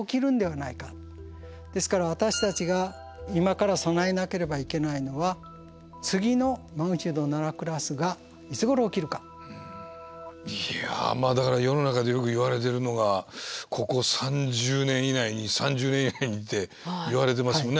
ですから私たちが今から備えなければいけないのはいやだから世の中でよくいわれてるのがここ３０年以内に３０年以内にっていわれてますよね